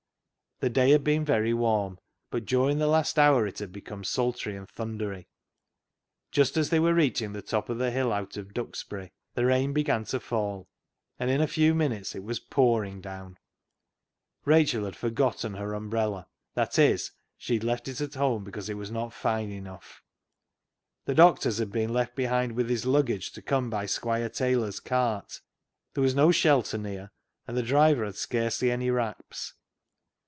The day had been very warm, but during the last hour it had become sultry and thundery. Just as they were reaching the top of the hill out of Dux bury the rain began to fall, and in a few minutes it was pouring down. Rachel had " forgotten " her umbrella — that is, she had left it at home, because it was not fine enough. The doctor's had been left behind with his lug gage, to come by Squire Taylor's cart. There was no shelter near, and the driver had scarcely any wraps.